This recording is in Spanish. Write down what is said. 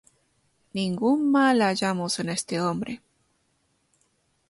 Ningún mal hallamos en este hombre;